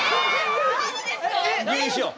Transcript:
入院しよう。